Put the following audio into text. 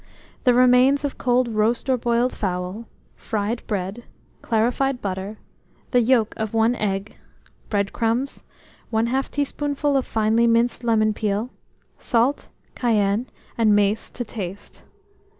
The remains of cold roast or boiled fowl, fried bread, clarified butter, the yolk of 1 egg, bread crumbs, 1/2 teaspoonful of finely minced lemon peel; salt, cayenne, and mace to taste.